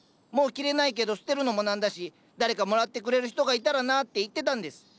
もう着れないけど捨てるのもなんだし誰かもらってくれる人がいたらなって言ってたんです。